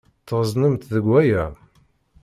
Tɣeẓnemt deg waya.